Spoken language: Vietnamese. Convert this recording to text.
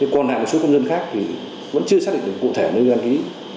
còn hạ một số công dân khác thì vẫn chưa xác định được cụ thể nơi đăng ký